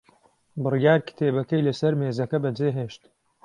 بڕیار کتێبەکەی لەسەر مێزەکە بەجێهێشت.